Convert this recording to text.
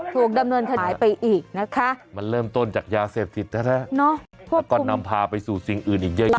ถูกดำเนินคดีไปอีกนะคะมันเริ่มต้นจากยาเสพติดแท้แล้วก็นำพาไปสู่สิ่งอื่นอีกเยอะ